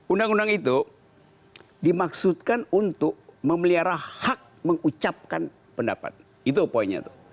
undang undang itu dimaksudkan untuk memelihara hak mengucapkan pendapat itu poinnya tuh